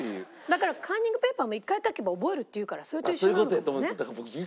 だからカンニングペーパーも１回書けば覚えるっていうからそれと一緒なのかもね。